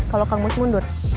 kalau kang mus mundur